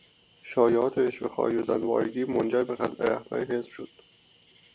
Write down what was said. شایعات رشوهخواری و زنبارگی منجر به خلع رهبر حزب شد.